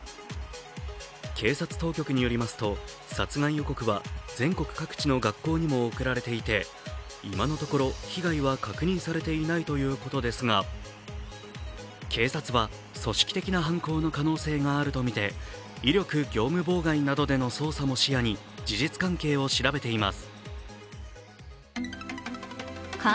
警察当局によりますと、殺害予告は全国各地の学校にも送られていて今のところ被害は確認されていないということですが、警察は組織的な犯行の可能性があるとみて威力業務妨害などでの捜査も視野に事実関係を調べています。